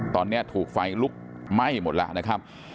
ตอนนี้ถูกไฟลุกไหม้หมดแล้วนะครับ